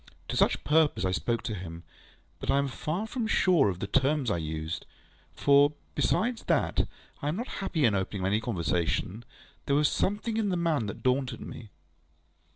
To such purpose I spoke to him; but I am far from sure of the terms I used; for, besides that I am not happy in opening any conversation, there was something in the man that daunted me.